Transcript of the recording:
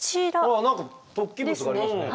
あ何か突起物がありますね。